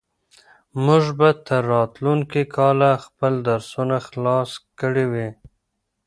موږ به تر راتلونکي کاله خپل درسونه خلاص کړي وي.